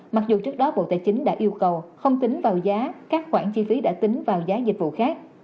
mặc dù trước đó bộ tài chính đã yêu cầu không tính vào giá các khoản chi phí đã tính vào giá dịch vụ khác